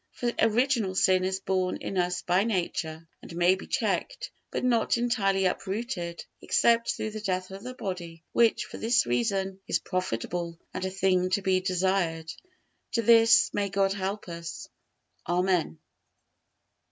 For original sin is born in us by nature, and may be checked, but not entirely uprooted, except through the death of the body; which for this reason is profitable and a thing to be desired. To this may God help us. Amen.